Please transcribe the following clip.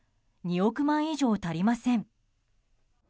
２億枚以上足りません。